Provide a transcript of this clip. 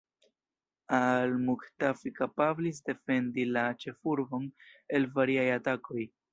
Al-Muktafi kapablis defendi la ĉefurbon el variaj atakoj.